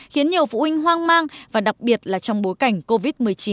khiến nhiều phụ huynh hoang mang và đặc biệt là trong bối cảnh covid một mươi chín